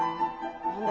何だ？